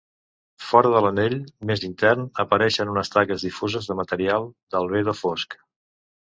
Fora de l'anell més intern apareixen unes taques difuses de material d'albedo fosc.